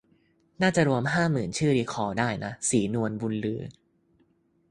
น่าจะรวมห้าหมื่นชื่อรีคอลได้นะ ศรีนวลบุญลือ